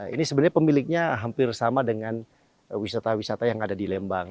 ini sebenarnya pemiliknya hampir sama dengan wisata wisata yang ada di lembang